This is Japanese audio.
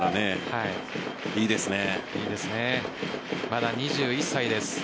まだ２１歳です。